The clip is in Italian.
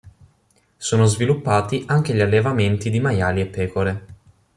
Sono sviluppati anche gli allevamenti di maiali e pecore.